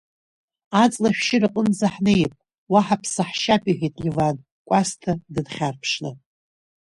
Аҵлашәшьыра аҟынӡа ҳнеип, уа ҳаԥсаҳшьап, — иҳәеит Леван, Кәасҭа дынхьарԥшны.